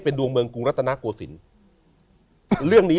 เป็นดวงเมืองกุงรัฐนากโปรศินธิ์